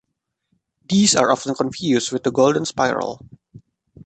These are often confused with the golden spiral.